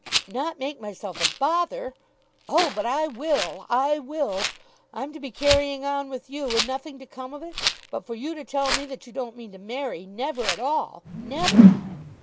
"Not make myself a bother! Oh, but I will; I will. I'm to be carrying on with you, and nothing to come of it; but for you to tell me that you don't mean to marry, never at all! Never?"